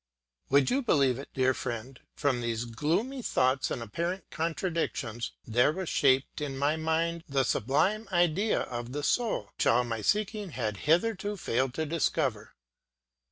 Would you believe it, dear friend, from these gloomy thoughts and apparent contradictions, there was shaped in my mind the sublime idea of the soul, which all my seeking had hitherto failed to discover?